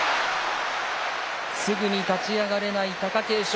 すぐに立ち上がれない貴景勝。